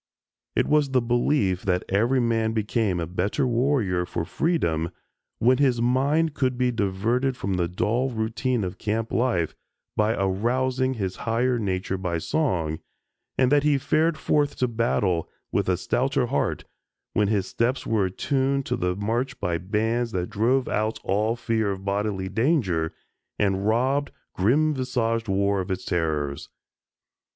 It was the belief that every man became a better warrior for freedom when his mind could be diverted from the dull routine of camp life by arousing his higher nature by song, and that he fared forth to battle with a stouter heart when his steps were attuned to the march by bands that drove out all fear of bodily danger and robbed "grim visaged war" of its terrors.